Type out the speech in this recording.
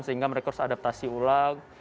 sehingga mereka harus adaptasi ulang